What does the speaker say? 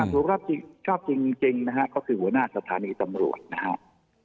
ถูกชอบจริงนะฮะก็คือหัวหน้าสถานีตำรวจนะครับ